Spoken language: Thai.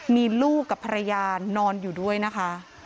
มีลูกกับภรรยานอนอยู่ด้วยนะคะ